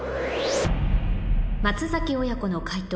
松崎親子の解答